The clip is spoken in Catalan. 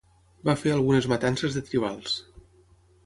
Va fer algunes matances de tribals.